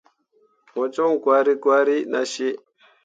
Mo joŋ gwari gwari nah cii.